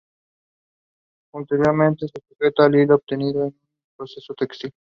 Ulteriormente, se sujeta el hilo obtenido a un proceso textil.